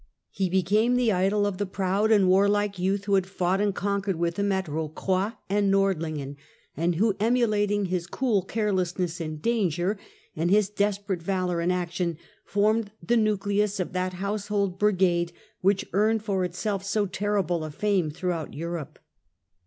He became the idol of the proud and warlike youth who had fought and conquered with him at Rocroy and Nordlingen, and who, emulating his cool carelessness in danger and his desperate valour in action, formed the nucleus of that household brigade which earned for itself so terrible a fame throughout Europe.